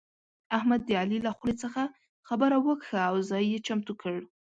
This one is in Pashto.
احمد د علي له خولې څخه خبره وکښه او ځای يې چمتو کړ.